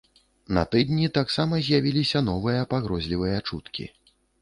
На тыдні таксама з'явіліся новыя пагрозлівыя чуткі.